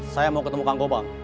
saya mau ketemu kang koba